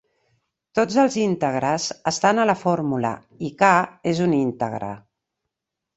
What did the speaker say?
Tots els íntegres estan a la fórmula i "k" és un íntegre.